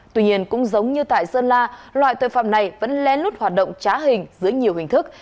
tuy nhiên cũng giống như tại sơn la loại tội phạm này vẫn len lút hoạt động trá hình dưới nhiều hình thức